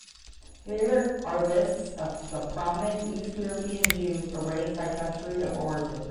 Here are lists of some prominent East European Jews, arranged by country of origin.